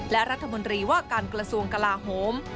และรัฐมนตรีว่าการกระทรวงกลาโหม